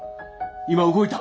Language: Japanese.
今動いた！